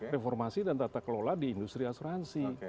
reformasi dan tata kelola di industri asuransi